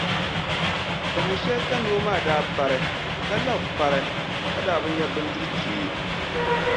Dahinshɛli ka noo maa daa pari ka labi pari ka daa bi nya bindirʼ chee.